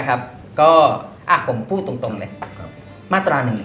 เขาจำเลยนี่